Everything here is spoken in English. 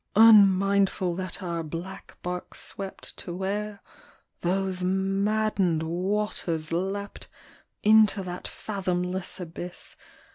Unmindful that our black bark swept To where those maddened waters leapt. Into that fathomless abyss.